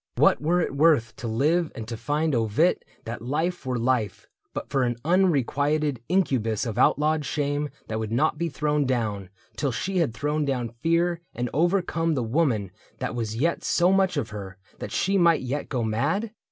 What were it worth To live and to find ovit that life were life But for an unrequited incubus Of outlawed shame that would not be thrown down Till she had thrown down fear and overcome The woman that was yet so much of her That she might yet go mad